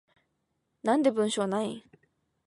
なんで文章ないん？